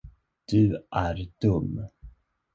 Du är dum.